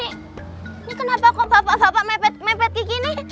ini kenapa kok bapak bapak mempet kiki ini